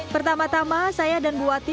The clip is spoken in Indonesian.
pertama tama saya dan buati